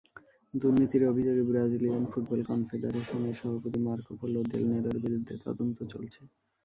দুর্নীতির অভিযোগে Brazilian football কনফেডারেশনের সভাপতি মার্কো পোলো দেল নেরোর বিরুদ্ধে তদন্ত চলছে।